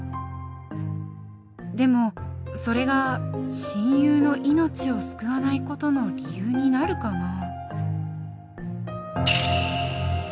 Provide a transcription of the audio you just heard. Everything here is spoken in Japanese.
でもそれが親友の命を救わない事の理由になるかな。